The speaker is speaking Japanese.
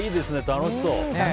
楽しそう。